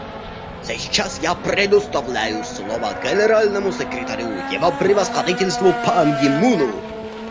Сейчас я предоставляю слово Генеральному секретарю Его Превосходительству Пан Ги Муну.